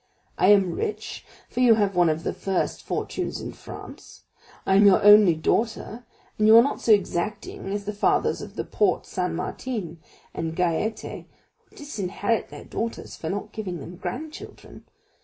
I am rich, for you have one of the first fortunes in France. I am your only daughter, and you are not so exacting as the fathers of the Porte Saint Martin and Gaîté, who disinherit their daughters for not giving them grandchildren.